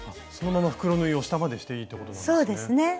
そのまま袋縫いを下までしていいっていうことなんですね。